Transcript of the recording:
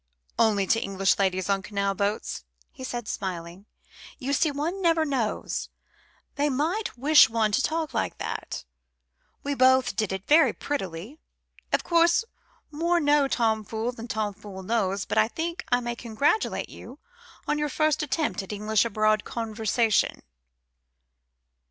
"Only to English ladies on canal boats," said he, smiling. "You see, one never knows. They might wish one to talk like that. We both did it very prettily. Of course, more know Tom Fool than Tom Fool knows, but I think I may congratulate you on your first attempt at the English abroad conversation."